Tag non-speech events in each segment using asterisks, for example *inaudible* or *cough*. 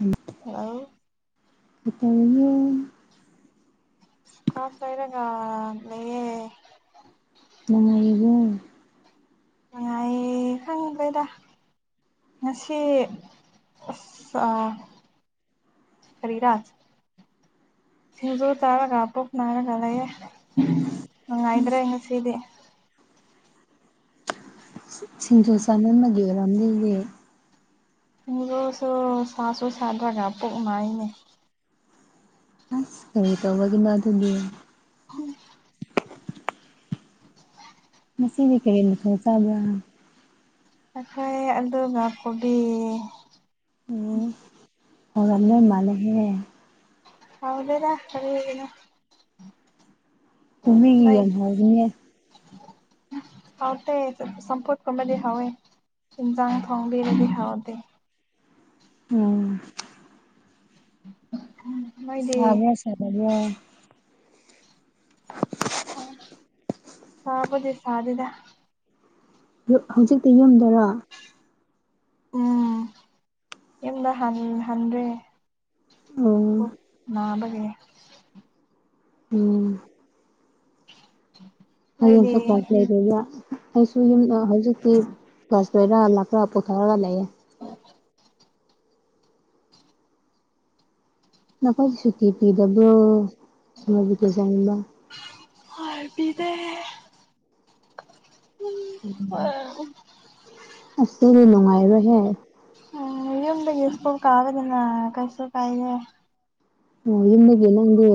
ꯎꯝ hello ꯏꯇꯅ ꯀꯥꯁ ꯂꯩꯔꯒ ꯂꯩꯌꯦ ꯅꯨꯡꯉꯥꯏꯔꯤꯕ‌ꯣ ꯅꯨꯉꯥꯏꯌ‌ꯦ ꯈꯪꯗ‌ꯦꯗ ꯉꯁꯤ ꯑꯁ ꯑ ꯍꯔꯤꯔꯥꯖꯖ ꯇꯔꯒ ꯄꯨꯅꯔꯒꯂꯦ ꯎ ꯅꯨꯉꯥꯏꯒꯔ‌ꯦ ꯉꯁꯤꯗꯤ ꯁꯤꯁꯤꯡꯖꯨ ꯆꯃꯟꯕꯒꯤ ꯑꯣꯏꯔꯝꯅꯤꯌ‌ꯦ ꯃꯨꯔ‌ꯣꯁꯨ ꯁꯥꯁꯨ ꯁꯥꯗ꯭ꯔꯒ ꯄꯨꯛ ꯅꯥꯏꯌ‌ꯦꯅꯦ *unintelligible* ꯇꯧꯕꯒꯤꯗ ꯑꯗꯨꯒꯤ ꯍꯨꯝ ꯉꯁꯤꯗꯤ ꯀꯔꯤꯅ ꯃꯊ‌ꯦꯜ ꯆꯥꯕ꯭ꯔꯥ ꯉꯁꯥꯏ ꯑꯂꯨꯒ ꯒ ꯀꯣꯕꯤ *unintelligible* ꯃꯥꯜꯂ‌ꯦꯍꯦ ꯍꯥꯎꯗ‌ꯦꯗ ꯀꯔꯤꯅ ꯀꯣꯕꯤꯒꯤ ꯏ ꯌꯥꯝ ꯍꯥꯎꯕꯅꯦ ꯍꯥꯎꯇ‌ꯦ ꯆꯝꯐꯨꯠ ꯀꯨꯕꯗꯤ ꯍꯥꯎꯋ‌ꯦ ꯏꯟꯖꯥꯡ ꯐꯣꯡꯕꯤꯔꯗꯤ ꯍꯧꯎꯗꯤ ꯎꯝ ꯅꯣꯏꯗꯤ ꯁꯥꯕꯔꯥ ꯁꯗꯕꯔ‌ꯣ ꯁꯥꯕꯨꯗꯤ ꯁꯥꯗ‌ꯦꯗ ꯍꯧꯖꯤꯛꯇꯤ ꯌꯨꯝꯗꯔꯣ ꯎꯝ ꯌꯨꯝꯗ ꯍꯟ ꯍꯟꯗ꯭ꯔꯦ ꯎꯝ ꯅꯥꯕꯒꯤ ꯎꯝ *inaudible* ꯍꯌꯦꯡꯁꯨ ꯀ꯭ꯂꯥꯁ ꯂꯩꯇꯕꯔꯥ ꯑꯩꯁꯨ ꯌꯨꯝ ꯍꯧꯖꯤꯛꯇꯤ ꯐꯁꯦꯔ ꯂꯥꯛꯄꯔ ꯄꯨꯊꯧꯔꯒ ꯂꯩꯌꯦ ꯅꯈꯣꯏꯗꯤ ꯁꯨꯇꯤ ꯄꯤꯗꯕ꯭ꯔꯣ ꯁꯣꯏꯕꯨ ꯀꯦ ꯆꯥꯅꯤꯡꯕ ꯍꫭꯏ ꯄꯤꯗꯦ ꯑꯁꯤꯗꯤ ꯅꯨꯡꯉꯥꯏꯔꯣꯏꯍꯦ ꯎ ꯌꯨꯝꯗꯒꯤ ꯏꯁ‍꯭ꯀꯨ ꯀꯥꯕꯅꯤꯅ ꯀꯩꯁꯨ ꯀꯥꯏꯗꯦ ꯑꯣ ꯌꯨꯝꯗꯒꯤ ꯅꯪꯗꯤ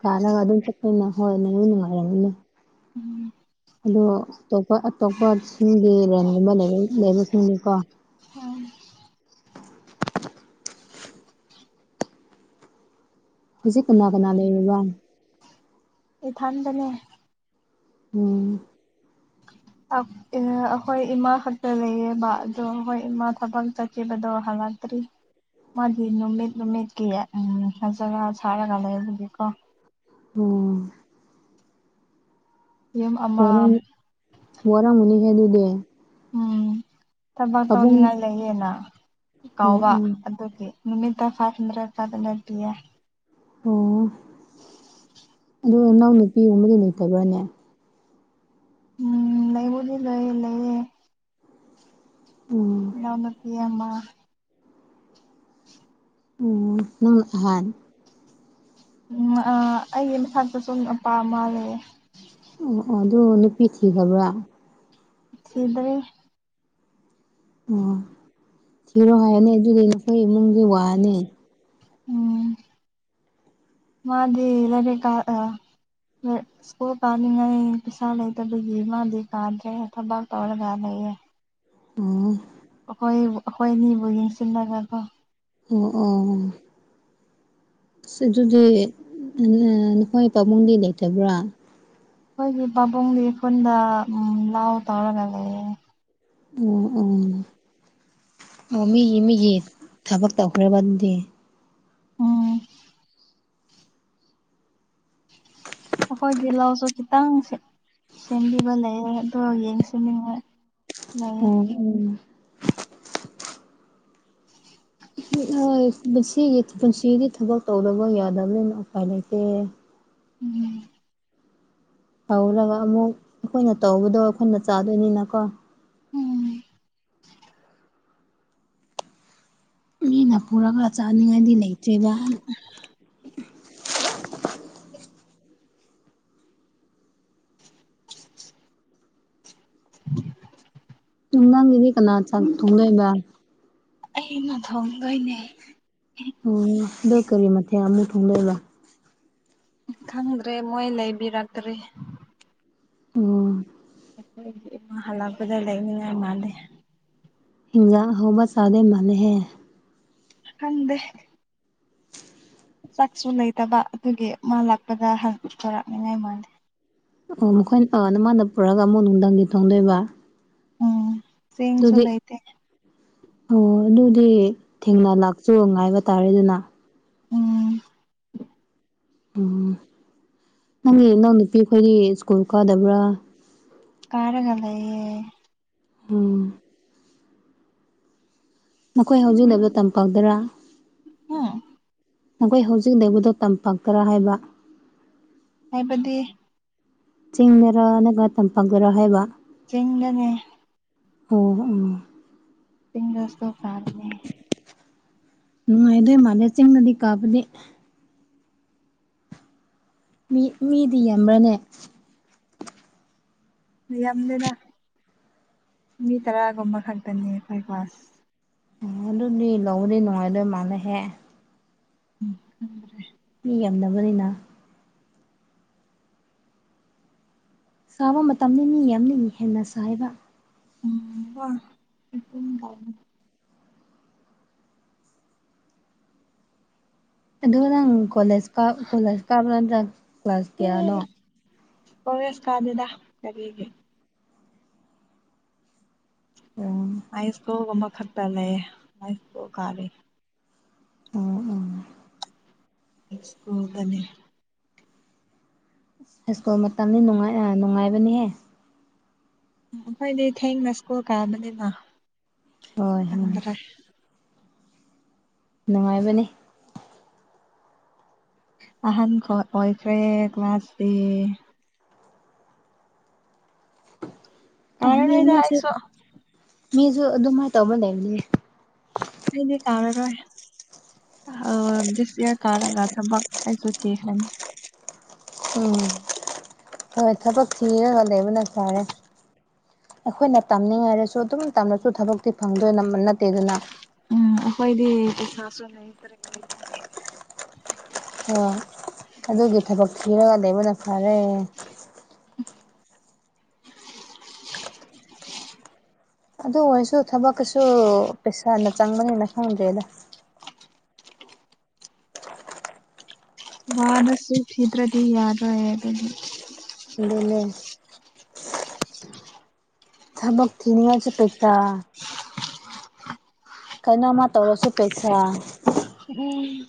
ꯀꯥꯔꯒ ꯑꯗꯨꯝ ꯆꯠꯄꯅ ꯍꯣꯏ ꯅꯪꯣꯏ ꯅꯨꯡꯉꯥꯏꯔꯝꯃꯤꯅꯦ ꯑꯣ ꯑꯇꯣꯞꯄ ꯑꯇꯣꯞꯄꯁꯤꯡꯒꯤ ꯔꯟꯒꯨꯝꯕ ꯂꯩꯕꯁꯤꯡꯅꯤꯀꯣ *unintelligible* ꯍꯧꯖꯤꯛ ꯀꯅꯥ ꯀꯅꯥ ꯂꯩꯔꯤꯕ *unintelligible* ꯏꯊꯟꯗꯅꯦ ꯎꯝ *unintelligible* ꯑꯩꯈꯣꯏ ꯏꯃꯥ ꯈꯛꯇ ꯂꯩꯌꯦꯕ ꯑꯗꯣ ꯑꯩꯈꯣꯏ ꯏꯃꯥ ꯊꯕꯛ ꯆꯠꯈꯤꯕꯗꯣ ꯍꯜꯂꯛꯇ꯭ꯔꯤ ꯃꯥꯗꯤ ꯅꯨꯃꯤꯠ ꯅꯨꯃꯤꯠꯀꯤ *unintelligible* ꯂꯩꯕꯒꯤꯀꯣ ꯎꯝ ꯌꯨꯝ ꯑꯃ ꯋꯥꯔꯝ ꯋꯥꯔꯝꯒꯅꯤ ꯍꯦ ꯑꯗꯨꯗꯤ ꯎꯝ ꯊꯕꯛ ꯄꯥꯕꯨꯡ ꯇꯧꯅꯤꯡꯉꯥꯏ ꯂꯩꯌꯦꯅ ꯑꯣ ꯀꯥꯎꯕ ꯑꯣ ꯑꯗꯨꯒꯤ ꯅꯨꯃꯤꯠꯇ *unintelligible* ꯄꯤꯌꯦ ꯑꯣ ꯑꯗꯨꯒ ꯅꯪ ꯅꯨꯄꯤꯒꯨꯝꯕꯗꯤ ꯂꯩꯇꯕ꯭ꯔꯥꯅꯦ ꯎꯝ ꯂꯩꯕꯨꯗꯤ ꯂꯩꯌꯦ ꯂꯩꯌꯦ ꯎꯝ ꯏꯅꯥꯎꯅꯨꯄꯤ ꯑꯃ ꯎꯝ ꯅꯪꯅ ꯑꯍꯟ ꯎꯝ ꯑ ꯑꯩꯒꯤ ꯃꯊꯛꯇ ꯁꯨ ꯅꯨꯄꯥ ꯑꯃ ꯂꯩꯌꯦ ꯑꯣ ꯑꯣ ꯑꯗꯨ ꯅꯨꯄꯤ ꯊꯤꯈꯕ꯭ꯔꯥ ꯊꯤꯗ꯭ꯔꯤ ꯑꯣ ꯊꯤꯔꯣ ꯍꯥꯏꯌꫭꯅꯦ ꯑꯗꯨꯗꯤ ꯅꯈꯣꯏ ꯏꯃꯨꯡꯒꯤ ꯋꯥꯅꯤ ꯎꯝ ꯃꯥꯗꯤ ꯂꯥꯏꯔꯤꯛ ꯀꯥ ꯑ *unintelligible* ꯏꯁ꯭ꯀꯨꯜ ꯀꯥꯅꯤꯉꯩ ꯄꯩꯁꯥ ꯂꯩꯇꯕꯒꯤ ꯃꯥꯗꯤ ꯀꯥꯗ꯭ꯔꯦ ꯊꯕꯛ ꯇꯧꯔꯒꯥꯟ ꯂꯩꯌꯦ ꯎꯝ ꯑꯩꯈꯣꯏꯕꯨ ꯑꯩꯈꯣꯏ ꯑꯅꯤꯕꯨ ꯌꯦꯡꯁꯤꯜꯂꯒꯀꯣ ꯑꯣ ꯑꯣ ꯑꯁ ꯑꯗꯨꯗꯤ *unintelligible* ꯅꯈꯣꯏ ꯄꯥꯕꯨꯡꯗꯤ ꯂꯩꯇꯕ꯭ꯔꯥ ꯑꯩꯈꯣꯏꯒꯤ ꯄꯥꯕꯨꯡꯒꯤ ꯈꯨꯨꯟꯗ ꯂꯥꯎ ꯇꯧꯔꯒ ꯂꯩꯌꯦ ꯑꯣ ꯑꯣ ꯑꯣ ꯃꯤꯒꯤ ꯃꯤꯒꯤ ꯊꯕꯛ ꯇꯧꯈ꯭ꯔꯕ ꯑꯗꯨꯗꯤ ꯎꯝ ꯑꯩꯈꯣꯏꯒꯤ ꯂꯥꯎꯁꯨ ꯈꯤꯇꯪꯁꯦ ꯁꯦꯝꯕꯤꯕ ꯂꯩꯌꯦ ꯑꯗꯨ ꯌꯦꯡꯁꯤꯟ ꯅꯤꯉꯥꯏ ꯑꯣ ꯎꯝ *unintelligible* ꯄꯨꯟꯁꯤꯒꯤ ꯊꯕꯛ ꯇꯧꯗꯕ ꯌꯥꯗꯕꯅꯤꯅ ꯎꯄꯥꯏ ꯂꯩꯇꯦ ꯎꯝ ꯇꯧꯔꯒ ꯑꯃꯨꯛ ꯑꯩꯈꯣꯏꯅ ꯇꯧꯕꯗꯣ ꯑꯩꯈꯣꯏꯅ ꯆꯥꯗꯣꯏꯅꯤꯅꯀꯣ ꯎꯝ ꯃꯤꯅ ꯄꯨꯔꯒ ꯆꯥꯅꯤꯡꯉꯥꯏꯗꯤ ꯂꯩꯇ꯭ꯔꯦꯔꯤꯕ ꯇꯨ ꯅꯪꯒꯤꯗꯤ ꯀꯅꯥ ꯆꯥꯛ ꯊꫭꯡꯗꫭꯏꯕ ꯑꯩꯩꯅ ꯊꯣꯡꯗꯣꯏꯅꯦ ꯑꯣ ꯑꯗꯣ ꯀꯔꯤ ꯃꯊꯦꯡ ꯑꯃꯨꯛ ꯊꯣꯡꯗꯣꯏꯕ ꯈꯪꯗ꯭ꯔꯦ ꯃꯣꯏ ꯂꯩꯕꯤꯔꯛꯇ꯭ꯔꯤ ꯑꯣ ꯑꯩꯈꯣꯏꯒꯤ ꯏꯃꯥ ꯍꯜꯂꯛꯄꯗ ꯂꯛꯅꯤꯡꯉꯥꯏ ꯃꯥꯜꯂꯤ ꯍꯤꯟꯖꯥꯡ ꯑꯍꯧꯕ ꯆꯥꯗꯩ ꯃꯥꯥꯟꯅꯩꯍꯦ ꯍꯪꯗꯦ ꯆꯥꯛꯁꯨ ꯂꯩꯇꯕ ꯑꯗꯨꯒꯤ ꯃꯥ ꯂꯥꯛꯄꯗ ꯍꯪ ꯍꯔꯛꯅꯤꯉꯥꯏ ꯃꯥꯥꯜꯂꯦ ꯑꯣ ꯅꯈꯣꯏꯅ ꯑ ꯅꯃꯥꯟꯗ ꯄꯨꯔꯛꯑꯒ ꯑꯃꯨꯛ ꯅꯧꯅ ꯊꯣꯡꯗꯣꯏꯕ ꯎꯝ ꯁꯤꯡꯁꯨ ꯑꯗꯨꯗꯤ ꯂꯩꯇꯦ ꯑꯣ ꯑꯗꯨꯗꯤ ꯊꯦꯡꯅ ꯂꯥꯛꯆꯨ ꯉꯥꯏꯕ ꯇꯥꯔꯦꯅꯦ ꯅꯪ ꯎꯝ ꯎꯝ ꯅꯪ ꯒꯤ ꯏꯅꯥꯎ ꯅꯨꯨꯄꯤꯈꯣꯏꯗꯤ ꯁ꯭ꯀꯨꯜ ꯀꯥꯗꯕ꯭ꯔꯥ ꯀꯥꯔꯒ ꯂꯩꯌꯦ ꯎꯝ ꯃꯈꯣꯏ ꯍꯧꯖꯤꯛ ꯂꯩꯕ ꯇꯝꯄꯥꯛꯗꯔꯥ ꯍꯨꯝ ꯅꯈꯣꯏ ꯍꯧꯖꯤꯛ ꯂꯩꯕꯗꯣ ꯇꯝꯄꯥꯛꯇꯔꯥ ꯍꯥꯏꯕ ꯍꯥꯏꯕꯗꯤ ꯆꯤꯡꯗꯔ ꯅꯠꯇ꯭ꯔꯒ ꯇꯝꯄꯥꯛꯇꯔ ꯍꯥꯏꯕ ꯆꯤꯡꯗꯅꯦ ꯑꯣ ꯎꯝ ꯆꯤꯡꯗ ꯁ꯭ꯀꯨꯜ ꯀꯥꯕꯅꯦ ꯅꯨꯡꯉꯥꯏꯗꯣꯏ ꯃꯥꯂꯦ ꯆꯤꯡꯅꯗꯤ ꯀꯥꯕꯗꯤ ꯃꯤ ꯃꯤꯗꯤ ꯌꯥꯝꯕ꯭ꯔꯥꯅꯦ ꯌꯥꯝꯗꯦꯗ ꯃꯤ ꯇꯔꯥꯒꯨꯝꯕ ꯈꯛꯇꯅꯦ ꯑꯩꯈꯣꯏ ꯀ꯭ꯂꯥꯁ ꯑꯣ ꯑꯗꯨꯗꯤ ꯅꯨꯡꯕꯨꯗꯤ ꯅꯨꯡꯉꯥꯏꯗꯣꯏ ꯃꯥꯜꯂꯦꯍꯦ ꯎꯝ *unintelligible* ꯃꯤ ꯌꯥꯝꯅꯕꯅꯤꯅ ꯁꯥꯕ ꯃꯇꯝꯅꯤ ꯃꯤ ꯌꯥꯝꯅꯤ ꯍꯦꯟꯅ ꯁꯥꯏꯌꯦꯕ ꯎꯝ ꯍꯣꯏ *unintelligible* ꯑꯗꯨꯒ ꯅꯪ ꯀꯣꯂꯦꯖ ꯀꯥ ꯀꯣꯂꯦꯖ ꯀꯥꯕ ꯅꯠꯇ꯭ꯔꯥ ꯀ꯭ꯂꯥꯁ ꯀꯌꯥꯅꯣ ꯀꯣꯂꯦꯖ ꯀꯥꯗꯦꯗꯥ ꯀꯔꯤꯒꯤ ꯎꯝ ꯍꯥꯏꯁ꯭ꯀꯨꯜꯒꯨꯝꯕ ꯈꯛꯇ ꯂꯩꯌꯦ ꯍꯥꯏꯁ꯭ꯀꯨꯜ ꯀꯥꯕꯒꯤ ꯎꯝ ꯎꯝ ꯁ꯭ꯀꯨꯜꯗꯅꯦ ꯍꯥꯏꯁ꯭ꯀꯨꯜ ꯃꯇꯝꯅꯤ ꯅꯨꯡꯉꯥꯏ ꯑ ꯅꯨꯡꯉꯥꯏꯕꯅꯤꯍꯦ ꯑ ꯑꯩꯈꯣꯏꯗꯤ ꯊꯦꯡꯅ ꯁ꯭ꯀꯨꯜ ꯀꯥꯕꯅꯤꯅ ꯍꯣꯏ ꯍꯡ ꯍꯟꯗ꯭ꯔꯛ ꯅꯨꯡꯉꯥꯏꯕꯅꯤ ꯑꯍꯟ ꯈꯣ ꯑꯣꯏꯈ꯭ꯔꯦ ꯀ꯭ꯂꯥꯁꯇꯤ ꯑꯦꯍ ꯃꯤ ꯀꯥꯔꯔꯣꯏꯗ ꯑꯃꯤꯁꯨ ꯑꯩꯁꯨ ꯃꯤꯁꯨ ꯑꯗꯨꯃꯥꯏꯅ ꯇꯧꯕ ꯂꯩꯕꯅꯦ ꯑꯩꯗꯤ ꯀꯥꯔꯔꯣꯏ ꯑ ꯗꯤꯁꯌꯥꯔ ꯀꯥꯔꯒ ꯊꯕꯛ ꯑꯩꯁꯨ ꯊꯤꯈꯔꯅꯤ ꯎꯝ ꯍꯣꯏ ꯊꯕꯛ ꯊꯤꯔꯒ ꯂꯩꯕ ꯅ ꯐꯔꯦ ꯑꯩꯈꯣꯏꯅ ꯇꯝꯅꯤꯡꯉꯥꯏꯔꯁꯨ ꯑꯗꯨꯝ ꯇꯝꯔꯁꯨ ꯊꯕꯛꯇꯤ ꯐꯪꯗꯣꯏꯅꯝꯕ ꯅꯠꯇꯦꯗꯅ ꯎꯝ ꯑꯈꯣꯏꯗꯤ ꯄꯩꯁꯥꯁꯨ ꯂꯩꯇ꯭ꯔꯦ ꯑꯩꯈꯣꯏꯗꯤ ꯍꯣꯏ ꯑꯗꯨꯒꯤ ꯊꯕꯛ ꯊꯤꯔꯒ ꯂꯩꯕꯅ ꯐꯔꯦ ꯑꯗꯨ ꯑꯣꯏꯔꯁꯨ ꯊꯕꯛꯀꯁꯨ ꯄꯩꯁꯥꯅ ꯆꯪꯕꯅꯤꯅ ꯈꯪꯗ꯭ꯔꯦꯗ ꯋꯥꯔꯁꯨ ꯊꯤꯗ꯭ꯔꯗꯤ ꯌꯥꯗ꯭ꯔꯦ ꯑꯗꯨꯒꯤ ꯑꯗꯨꯅꯦ ꯊꯕꯛ ꯊꯅꯤꯉꯥꯏꯁꯨ ꯄꯩꯁꯥ ꯀꯩꯅꯣꯝꯃ ꯇꯧꯔꯁꯨ ꯄꯩꯁꯥ ꯎꯝ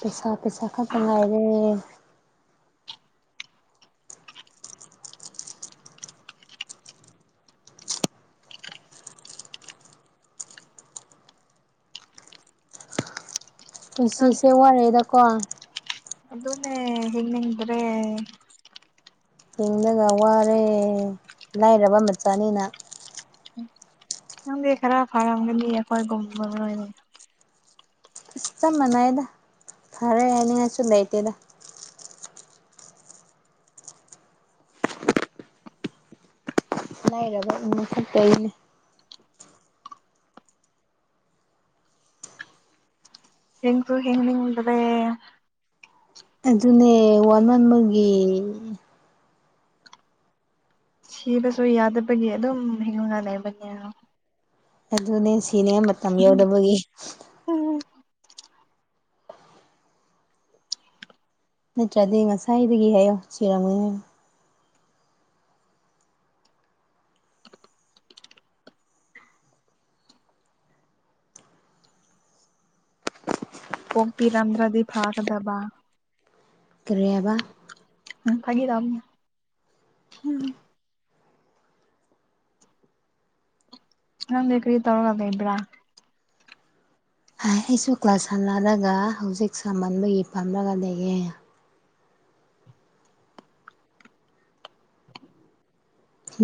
ꯄꯩꯁꯥ ꯄꯩꯁꯥ ꯈꯛꯇꯪꯉꯥꯏꯔꯦ ꯅꯪ ꯄꯨꯟꯁꯤꯁꯦ ꯋꯥꯔꯦꯗꯀꯣ ꯑꯗꯨꯅꯦ ꯍꯤꯅꯤꯡ ꯗꯔꯦ ꯍꯤꯕꯗ ꯋꯥꯔꯦ ꯂꯥꯏꯔꯕ ꯃꯆꯥꯅꯤꯅ ꯌꯥꯝꯗꯤ ꯈꯔ ꯐꯔꯝꯒꯅꯤꯑꯩꯈꯣꯏꯒꯨꯝꯕ ꯆꯞ ꯃꯥꯟꯅꯩꯗ ꯐꯔꯦ ꯍꯥꯏꯅꯤꯡꯉꯥꯏꯁꯨ ꯂꯩꯇꯦꯗ ꯂꯩꯥꯏꯔꯕ ꯎ ꯀꯩꯅꯦ ꯍꯤꯟ ꯁꯨ ꯍꯤꯟ ꯅꯤꯡꯗꯔꯦ ꯑꯗꯨꯅꯦ ꯋꯥꯟ ꯃꯟ ꯕꯒꯤ ꯁꯤꯕꯁꯨ ꯌꯥꯗꯕꯒꯤ ꯑꯗꯨꯝ ꯍꯤꯡꯅ ꯂꯩꯕꯅꯦ ꯑꯗꯨꯅꯦ ꯁꯤꯅꯤꯉꯥꯢ ꯃꯇꯝ ꯌꯧꯗꯕꯒꯤ ꯎꯝ ꯅꯠꯇ꯭ꯔꯗꯤ ꯉꯁꯥꯏꯗꯒꯤ ꯍꯥꯏꯌꯣ ꯆꯤꯔꯝꯒꯣꯏ ꯍꯥꯏ ꯄꯣꯝꯄꯤꯔꯝꯗ꯭ꯔꯗꯤ ꯐꯥꯒꯗꯕ ꯀꯔꯤ ꯍꯥꯏꯕ ꯐꯒꯤꯇꯧꯅꯤ ꯅꯡ ꯗꯤ ꯀ꯭ꯔꯤ ꯇꯔꯒ ꯏꯕ꯭ꯔꯥ ꯍꯥꯏ ꯑꯩꯁꯨ ꯀ꯭ꯂꯥꯁ ꯍꯜꯂꯜꯂꯒ ꯍꯧꯖꯤꯛ ꯁꯍꯟꯕꯒꯤ ꯐꯝꯂꯒ ꯂꯩꯌꯦ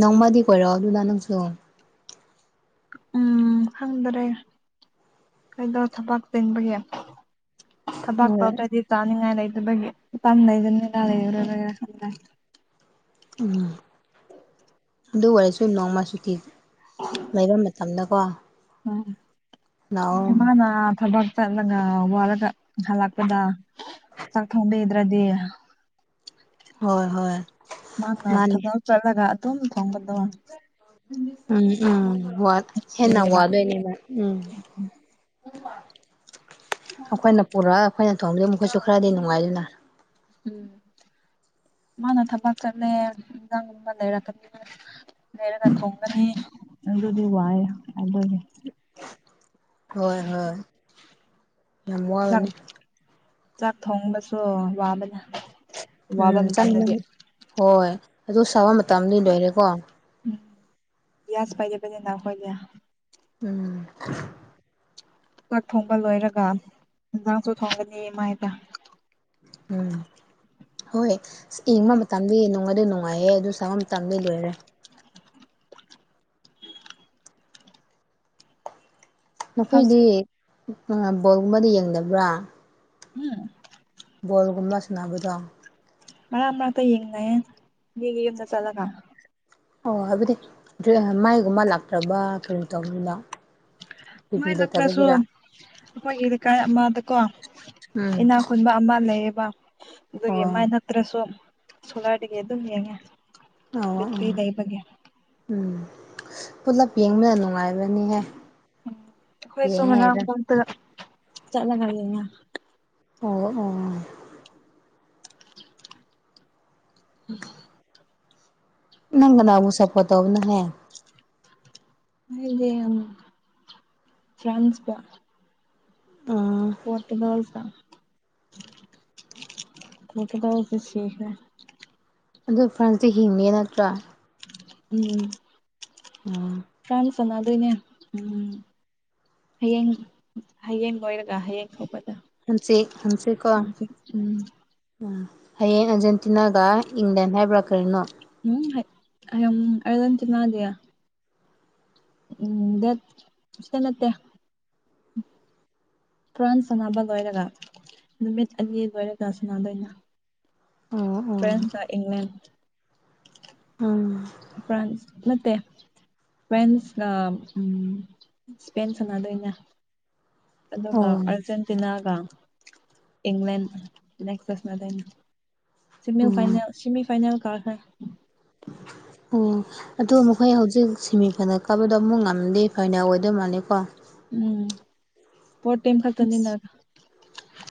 ꯅꯣꯡꯃꯗꯤ ꯀꯣꯏꯔꯛꯑꯣ ꯑꯗꯨꯅ ꯅꯪꯁꯨ ꯎ ꯈꯪꯗꯔꯦ ꯀꯩꯗꯧ ꯊꯕꯛ ꯆꯤꯡꯕꯒꯤ ꯊꯕꯛ ꯍꯣꯏ ꯇꯧꯗ꯭ꯔꯗꯤ ꯆꯥꯅꯤꯡꯉꯥꯏ ꯂꯩꯗꯕꯒꯤ ꯏꯝ ꯂꯩꯗꯅꯂꯥ ꯂꯩꯔꯔꯣꯏꯕꯒꯔꯥ ꯈꯪ ꯎꯝ ꯑꯗꯨ ꯑꯣꯏꯔꯁꯨ ꯅꯣꯡꯃ ꯆꯨꯇꯤ ꯂꯩꯐꯝ ꯇꯝꯅꯀꯣ ꯎꯝ ꯏꯃꯥꯅꯊꯕꯛ ꯆꯠꯂꯒ ꯋꯥꯂꯒ ꯍꯜꯂꯛꯄꯗ ꯆꯥꯛ ꯊꯣꯡꯕꯤꯗ꯭ꯔꯗꯤ ꯍꯣꯏ ꯍꯣꯏ ꯃꯥꯅ ꯃꯥꯅꯦ ꯊꯕꯛ ꯆꯠꯂꯒ ꯑꯗꯨ ꯝ ꯊꯣꯡꯒꯗꯣ ꯎꯝ ꯎꯝ ꯋꯥꯠ ꯍꯦꯟꯅ ꯅꯨꯡꯁꯤꯌꯦꯕ ꯋꯥꯗꯣꯏꯅꯦꯕ ꯎꯝ ꯑꯩꯈꯣꯏꯅ ꯄꯨꯔꯒ ꯑꯩꯈꯣꯏꯅ ꯊꯣꯡꯗꯣꯏꯕ ꯃꯈꯣꯏꯁꯨ ꯈꯔꯗꯤ ꯅꯨꯡꯉꯥꯏꯗꯨꯅ ꯎꯝ ꯃꯥꯅ ꯊꯕꯥꯛ ꯆꯠꯂꯦ ꯏꯟꯖꯥꯡꯒꯨꯝꯕ ꯂꯩꯔꯛꯀꯅꯤꯅ ꯂꯩꯔꯒ ꯊꯣꯡꯒꯅꯤ ꯑꯗꯨꯗꯤ ꯋꯥꯏꯑꯦ ꯍꯥꯏꯕꯒꯤ ꯍꯣꯏ ꯍꯣꯏ ꯌꯥꯝ ꯋꯥꯒꯅꯤ ꯆꯥꯛ ꯊꯣꯡꯕꯁꯨ ꯋꯥꯕꯅ ꯋꯥꯕ ꯎꯝ ꯆ ꯃꯇꯝꯗꯗꯤ ꯍꯣꯏ ꯑꯗꯨ ꯁꯥꯕ ꯃꯇꯝꯗꯤ ꯂꯣꯏꯔꯦꯀꯣ ꯎ ꯌꯥꯖ ꯄꯥꯏꯗ ꯄꯥꯏ ꯅꯈꯣꯏꯗ ꯎꯝ ꯆꯥꯛ ꯊꯣꯡꯕ ꯂꯣꯏꯔꯒ ꯏꯟꯖꯥꯡꯁꯨ ꯊꯣꯡꯒꯅꯤꯃꯥꯏꯗ ꯎꯝ ꯍꯣꯏ ꯏ ꯇꯝꯕꯤꯌꯦ ꯅꯨꯡꯃꯗꯤ ꯅꯨꯡꯉꯥꯏꯍꯦ ꯑꯗꯨ ꯁꯥꯕ ꯇꯝꯕꯤ ꯂꯣꯏꯔꯦ ꯅꯈꯣꯏꯗꯤ ꯍꯧꯖꯤꯛ ꯕꯣꯜꯒꯨꯝꯕꯗꯤ ꯌꯦꯡꯗꯕ꯭ꯔꯥ ꯍ ꯕꯣꯜꯒꯨꯝꯂ ꯁꯅꯥꯗꯦꯗꯥ ꯃꯔꯛ ꯃꯔꯛꯇ ꯌꯦꯡꯅꯌꯦ ꯃꯤꯒꯤ ꯌꯨꯝꯗ ꯆꯠꯂꯒ ꯑꯣ ꯍꯥꯏꯕꯗꯤ ꯃꯥꯏꯒꯨꯝꯕ ꯂꯥꯛꯇ꯭ꯔꯕ ꯀꯔꯤ ꯇꯧꯕꯅꯣ ꯃꯥꯏ ꯇꯤꯚꯤ ꯂꯥꯛꯄ꯭ꯔꯁꯨ ꯂꯩꯇꯕꯒꯤꯔ ꯑꯩꯈꯣꯏꯒꯤ ꯂꯩꯀꯥꯏ ꯑꯃꯗꯀꯣ ꯎꯝ ꯏꯅꯥ ꯈꯨꯨꯟꯕ ꯑꯃ ꯂꯩꯌꯦꯕ ꯑꯗꯨꯒꯤ ꯑꯣ ꯃꯥꯏ ꯅꯠꯇ꯭ꯔꯁꯨꯣ ꯁꯣꯂꯥꯏꯒꯤ ꯑꯗꯨꯝ ꯌꯦꯉꯦ ꯑꯣ ꯕꯦ ꯇꯔꯤ ꯑꯣ ꯂꯩꯏꯕꯒꯤ ꯎꯝ ꯄꯨꯂꯞ ꯌꯦꯡꯕꯅ ꯅꯨꯡꯉꯥꯏꯕꯅꯤꯍꯦ ꯑꯩꯈꯣꯏꯁꯨ ꯌꯦꯡꯉꯦ ꯉꯔꯥꯡ ꯍꯥꯏꯔ ꯇꯔ ꯆꯠꯂꯒ ꯌꯦꯡꯉꯦ ꯑꯣ ꯑꯣ *inaudible* ꯅꯪ ꯀꯅꯥꯕꯨ ꯁꯄꯣꯠ ꯇꯧꯕꯅꯣ ꯍꯦ ꯑꯩꯗꯤ ꯐ꯭ꯔꯥꯥꯟꯁ ꯇ ꯑꯥ ꯄꯣꯔꯇꯨꯒꯜꯇ ꯄꯣꯔꯇꯨꯒꯜꯗꯤ ꯁꯤꯈꯔꯦ ꯑꯗꯨ ꯐ꯭ꯔꯟꯁꯇꯤ ꯍꯤꯡꯉꯦ ꯅꯠꯇ꯭ꯔꯥ ꯎꯝ ꯎꯝ ꯐꯔꯥꯟꯁ ꯁꯥꯟꯅꯗꯣꯏꯅꯦ ꯎꯝ ꯍꯌꯦꯡ ꯍꯌꯦꯡ ꯂꯣꯏꯔꯒ ꯍꯌꯦꯡ ꯊ‌ꯣꯛꯄꯗ ꯍꯪꯆꯤꯠ ꯍꯪꯆꯤꯠꯀꯣ ꯑꯗꯨ ꯎꯝ ꯍꯌꯦꯡ ꯑꯔꯖꯦꯟꯇꯤꯅꯥꯒ ꯏꯪꯂꯦꯟ ꯍꯥꯏꯕ꯭ꯔꯥ ꯀꯔꯤꯅꯣ ꯍꯌꯦꯡ ꯑꯔꯖꯦꯟꯇꯤꯅꯥꯒꯤ *unintelligible* ꯐꯔꯥꯟꯁ ꯁꯥꯟꯅꯕ ꯂꯣꯏꯔꯒ ꯅꯨꯃꯤꯠ ꯑꯅꯤ ꯂꯣꯏꯔꯒ ꯁꯥꯟꯅꯗꯣꯏꯅꯤ ꯑꯣ ꯑꯣ ꯐ꯭ꯔꯥꯟꯁ ꯀ ꯏꯪꯂꯦꯟ ꯎꯝ ꯐ꯭ꯔꯥꯟꯁ ꯅꯠꯇꯦ ꯐ꯭ꯔꯦꯟꯁꯒ ꯏꯁꯄꯦꯟꯒ ꯁꯥꯟꯅꯗꯣꯏꯅꯦ ꯑꯣ ꯑꯗꯨꯒ ꯑꯥꯔꯖꯦꯟꯇꯤꯅꯥꯒ ꯏꯪꯂꯦꯟ ꯅꯦꯛꯁꯇ ꯁꯥꯟꯅꯗꯣꯏꯅꯤ semi um final semi final ꯀꯥꯔꯈꯦ ꯑꯣ ꯑꯗꯣ ꯃꯈꯣꯏ ꯍꯧꯖꯤꯛ ꯁꯦꯃꯤ ꯐꯥꯏꯅꯦꯜ ꯀꯥꯕꯗꯣ ꯑꯃꯨꯛ ꯉꯝꯗꯤ ꯐꯥꯏꯅꯦꯜ ꯑꯣꯏꯗꯧ ꯃꯥꯜꯂꯦꯀꯣ ꯎꯝ ꯄꯣꯠ ꯇꯥꯏꯝ ꯑꯁ ꯈꯛꯇꯅꯤꯅ